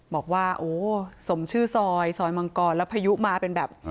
บอกว่าโอ้สมชื่อซอยซอยมังกรแล้วพายุมาเป็นแบบ